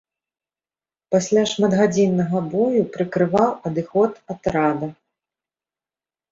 Пасля шматгадзіннага бою прыкрываў адыход атрада.